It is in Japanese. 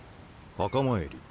墓参り。